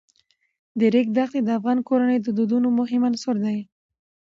د ریګ دښتې د افغان کورنیو د دودونو مهم عنصر دی.